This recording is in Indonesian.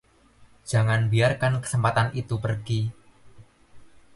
Jangan biarkan kesempatan itu pergi.